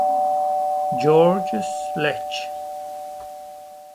Georges Lech